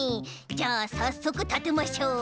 じゃあさっそくたてましょう。